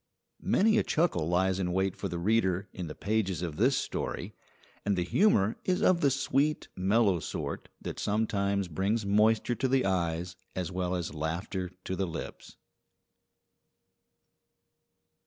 Many a chuckle lies in wait for the reader in the pages of this story. And the humour is of the sweet, mellow sort that sometimes brings moisture to the eyes as well as laughter to the lips.